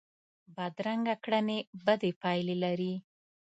بدرنګه کړنې بدې پایلې لري